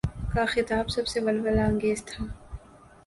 کا خطاب سب سے ولولہ انگیز تھا۔